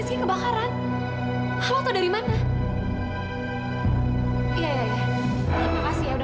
kemana sih mobilnya